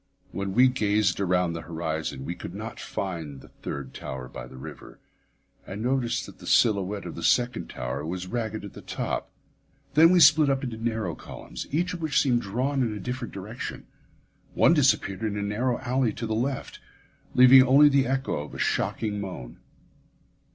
When we gazed around the horizon, we could not find the third tower by the river, and noticed that the silhouette of the second tower was ragged at the top. Then we split up into narrow columns, each of which seemed drawn in a different direction. One disappeared in a narrow alley to the left, leaving only the echo of a shocking moan.